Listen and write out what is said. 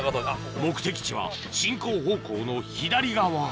目的地は進行方向の左側